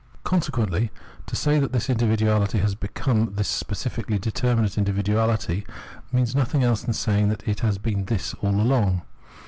Consequently, to say that this individuahty has become this specifically determinate individuahty means no thing else than saying it has been this all along.